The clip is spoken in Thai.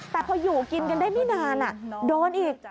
แต่พออยู่กินกันได้ไม่นานโดนอีก